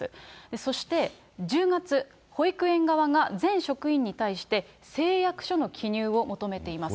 そして１０月、保育園側が全職員に対して、誓約書の記入を求めています。